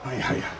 はい。